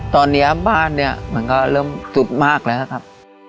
ตอนนี้บ้านเนี่ยมันก็เริ่มซุดมากแล้วครับ